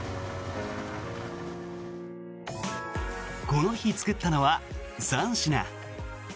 この日作ったのは３品。